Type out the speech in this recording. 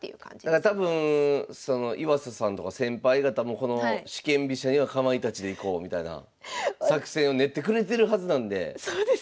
だから多分岩佐さんとか先輩方もこの四間飛車にはかまいたちでいこうみたいな作戦を練ってくれてるはずなんでそうですね。